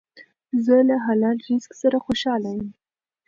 زه له حلال رزق سره خوشحاله یم.